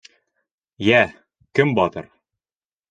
— Йә, кем батыр?